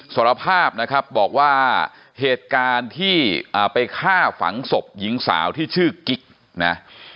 สารภาพนะครับบอกว่าเหตุการณ์ที่ไปฆ่าฝังศพหญิงสาวที่ชื่อกิ๊กนะ